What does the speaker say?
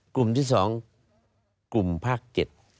กลุ่มที่สองกลุ่มภาคเก็ต